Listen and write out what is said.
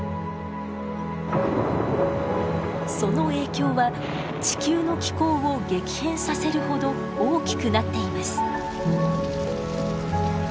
その影響は地球の気候を激変させるほど大きくなっています。